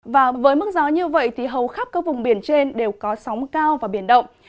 và với mức gió như vậy thì hầu khắp các vùng biển trên đều có sóng cao và biển động